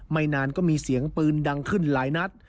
นานก็มีเสียงปืนดังขึ้นหลายนัด